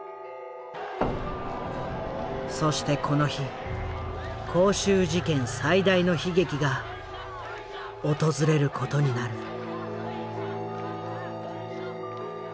そしてこの日光州事件最大の悲劇が訪れることになる。